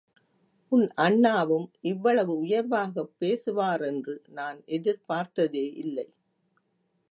உன் அண்ணாவும் இவ்வளவு உயர்வாகப் பேசுவாரென்று நான் எதிர் பார்த்ததே இல்லை.